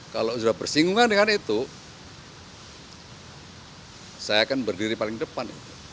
kalau sudah bersinggungan dengan itu saya akan berdiri paling depan